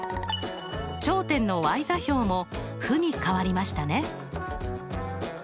頂点の座標も負に変わりましたね。